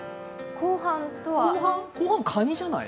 後半は、カニじゃない？